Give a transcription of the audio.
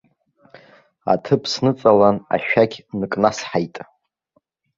Аҭыԥ сныҵалан, ашәақь ныкнасҳаит.